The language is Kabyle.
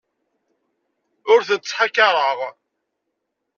Ur tent-ttḥakaṛeɣ.